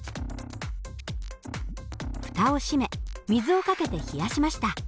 蓋を閉め水をかけて冷やしました。